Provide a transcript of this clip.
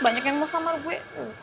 banyak yang mau samar gue